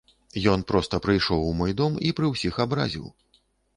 Ён проста прыйшоў у мой дом і пры ўсіх абразіў.